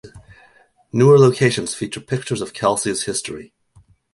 Newer locations feature pictures of Kelsey's history.